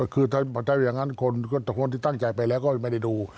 คือถ้าอย่างนั้นคนที่ตั้งใจไปแล้วก็ไม่ได้ดู